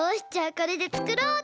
これでつくろうっと。